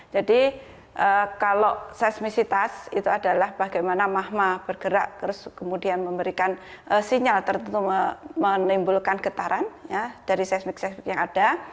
jadi kalau seismisitas itu adalah bagaimana mahma bergerak terus kemudian memberikan sinyal tertentu menimbulkan getaran dari seismik seismik yang ada